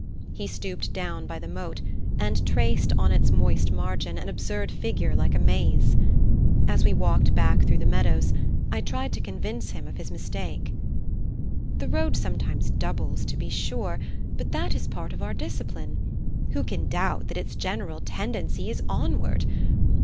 He stooped down by the moat, and traced on its moist margin an absurd figure like a maze. As we walked back through the meadows, I tried to convince him of his mistake. "The road sometimes doubles, to be sure, but that is part of our discipline. Who can doubt that its general tendency is onward?